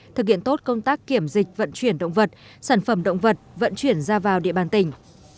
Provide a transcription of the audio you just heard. thực hiện tốt công tác kiểm dịch vận chuyển động vật sản phẩm động vật vận chuyển ra vào địa bàn tỉnh